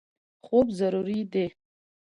خوب ضروري دی.